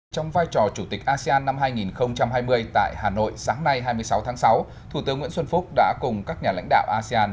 trong vai trò chủ tịch asean năm hai nghìn hai mươi tại hà nội sáng nay hai mươi sáu tháng sáu thủ tướng nguyễn xuân phúc đã cùng các nhà lãnh đạo asean